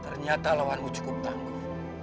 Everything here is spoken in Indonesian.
ternyata lawanmu cukup tangguh